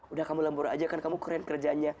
udah kamu lampur aja kan kamu keren kerjaannya